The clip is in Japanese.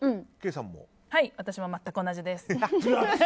私も全く同じです。